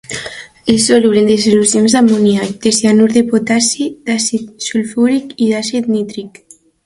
És soluble en dissolucions d'amoníac, de cianur de potassi, d'àcid sulfúric i d'àcid nítric.